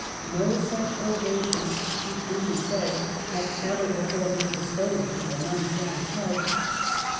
No such ovation, she truly says, had ever before been bestowed upon an uncrowned head.